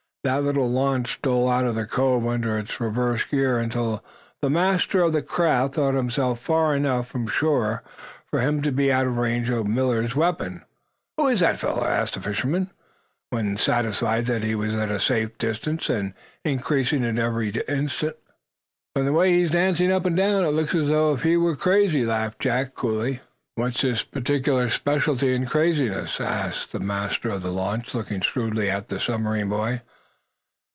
That little launch stole out of the cover under its reverse gear until the master of the craft thought himself far enough from shore for him to be out of range of Millard's weapon. "Who is that feller?" asked the fisherman, when satisfied that he was at a safe distance and increasing it every instant. "From the way he's dancing up and down, it looks as if he were crazy," laughed Jack, coolly. "What's his particular specialty in craziness?" asked the master of the launch, looking shrewdly at the submarine boy.